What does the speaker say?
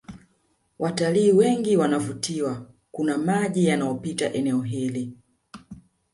Watalii wengi wanavutiwa kuna maji yanapita eneo hili